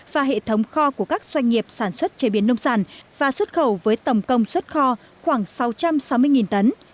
và hệ thống kho của các doanh nghiệp sản xuất chế biến nông sản và xuất khẩu với tổng công suất kho khoảng sáu trăm sáu mươi tấn